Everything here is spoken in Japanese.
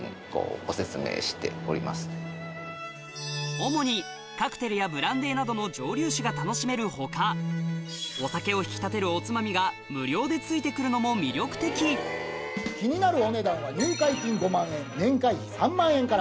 主にカクテルやブランデーなどの蒸留酒が楽しめる他お酒を引き立てるおつまみが無料で付いて来るのも魅力的気になるお値段は。